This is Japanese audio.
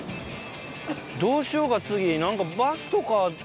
どうしようか次。